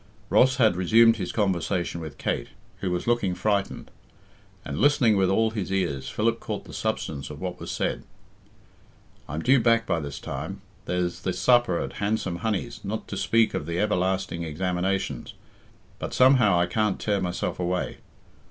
Ross had resumed his conversation with Kate, who was looking frightened. And listening with all his ears, Philip caught the substance of what was said. "I'm due back by this time. There's the supper at Handsome Honey's, not to speak of the everlasting examinations. But somehow I can't tear myself away.